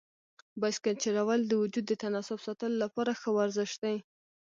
بایسکل چلول د وجود د تناسب ساتلو لپاره ښه ورزش دی.